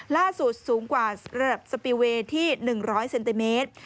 สูงกว่าระดับสปีลเวย์ที่๑๐๐เซนติเมตร